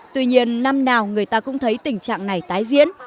tuy nhiên năm nào người ta cũng thấy tình trạng này tái diễn